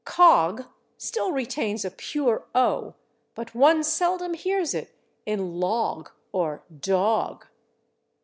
/Cog/ still retains a pure /o/, but one seldom hears it in /log/ or /dog